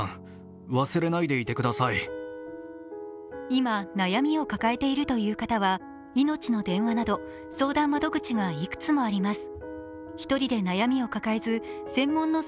今、悩みを抱えているという方はいのちの電話など相談窓口がいくつもあります。